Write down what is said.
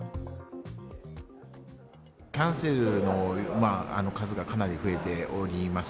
キャンセルの数がかなり増えております。